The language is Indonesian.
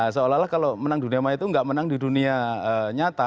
seolah olah kalau menang dunia maya itu nggak menang di dunia nyata